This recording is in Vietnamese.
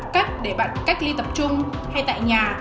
cách để bạn cách ly tập trung hay tại nhà